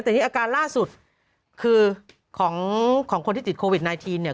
แต่นี่อาการล่าสุดคือของของคนที่ติดโควิด๑๙เนี่ย